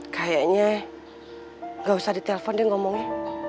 kayaknya gak usah di telpon deh ngomongnya